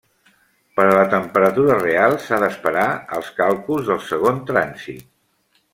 Per a la temperatura real s'ha d'esperar als càlculs del segon trànsit.